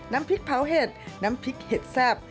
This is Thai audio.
น้ำพริกเผาเห็ดน้ำพริกเห็ดแซ่บ